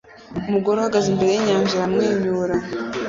Umugore uhagaze imbere yinyanja aramwenyura